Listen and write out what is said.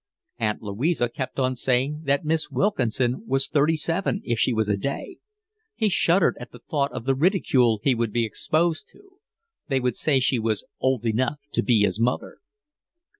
Aunt Louisa kept on saying that Miss Wilkinson was thirty seven if she was a day; he shuddered at the thought of the ridicule he would be exposed to; they would say she was old enough to be his mother.